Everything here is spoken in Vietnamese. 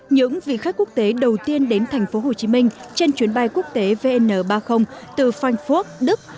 những vị khách quốc tế đầu tiên đến thành phố hồ chí minh trên chuyến bay quốc tế vn ba mươi từ phanphuốc đức